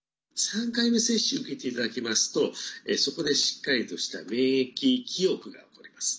３回目接種受けていただきますとそこで、しっかりとした免疫記憶が起こります。